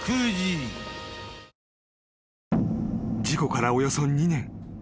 ［事故からおよそ２年。